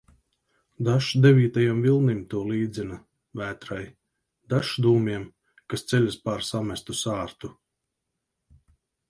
Dažs devītajam vilnim to līdzina, vētrai, dažs dūmiem, kas ceļas pār samestu sārtu.